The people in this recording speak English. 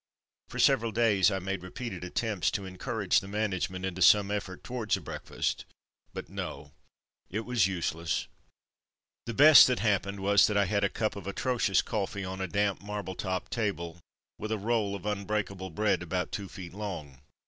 For several days I made repeated attempts to encourage the manage ment into some effort towards a breakfast, 263 264 From Mud to Mufti but no — it was useless. The best that hap pened was that I had a cup of atrocious coffee on a damp, marble topped table, with a roll of unbreakable bread about two feet long.